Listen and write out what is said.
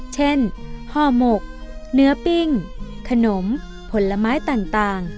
ห่อหมกเนื้อปิ้งขนมผลไม้ต่าง